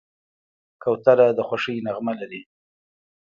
کوتره د خوښۍ نغمه لري.